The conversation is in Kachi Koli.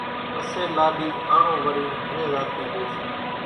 پسيَ لاڏِي آنڻون ورينَ گھرين زاتِي ريئيَ سي۔